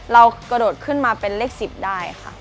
เรากระโดดขึ้นมาเป็นเลข๑๐ได้ค่ะ